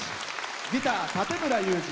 ギター、館村雄二。